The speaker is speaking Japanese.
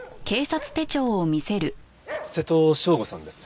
瀬戸将吾さんですね。